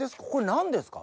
何ですか？